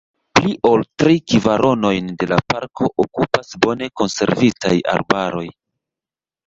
Pli ol tri kvaronojn de la parko okupas bone konservitaj arbaroj.